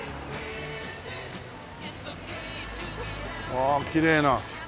ああきれいな。